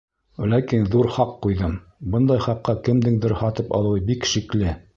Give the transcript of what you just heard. Ләкин ҙур хаҡ ҡуйҙым, бындай хаҡҡа кемдеңдер һатып алыуы бик шикле.